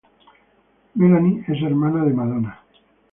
Melanie es hermana de Madonna.